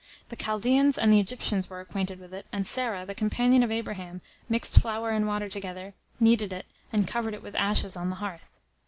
The Chaldeans and the Egyptians were acquainted with it, and Sarah, the companion of Abraham, mixed flour and water together, kneaded it, and covered it with ashes on the hearth.